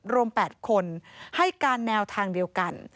รวม๘คนให้การแนวทางเดียวกัน